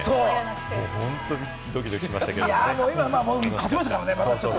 本当にドキドキしました。